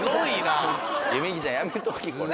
弓木ちゃんやめときこれ。